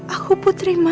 aku putri ma